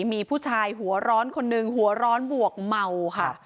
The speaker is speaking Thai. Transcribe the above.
มีผู้ชายหัวร้อนคนหนึ่งหัวร้อนบวกเมาค่ะ